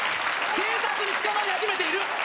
警察に捕まり始めているっ！